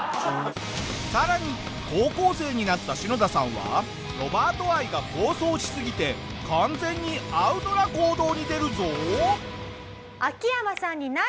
さらに高校生になったシノダさんはロバート愛が暴走しすぎて完全にアウトな行動に出るぞ。